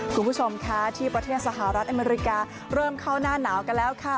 คุณผู้ชมคะที่ประเทศสหรัฐอเมริกาเริ่มเข้าหน้าหนาวกันแล้วค่ะ